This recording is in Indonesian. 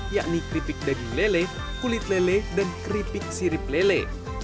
yakni keripik daging lele kulit lele dan keripik sirip lele